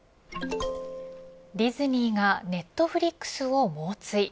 ディズニーがネットフリックスを猛追。